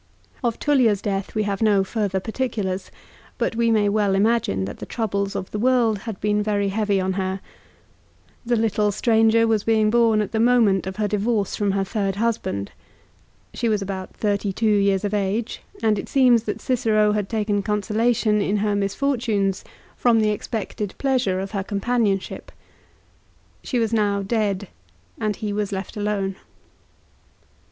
Of Tullia's death we have no further particulars ; but we may well imagine that the troubles of the world had been very heavy on her. The little stranger was being born at the moment of her divorce from her third husband. She was about thirty two years of age, and it seems that Cicero had taken consolation in her misfortunes from the expected 1 Ad Div. lib. vi. 18. 2 Ad Att. lib. xii. 12. Ad Att. lib. xii. 18 and 28. 190 LIFE OF CICERO. pleasure of her companionship. She was now dead, and he was left alone.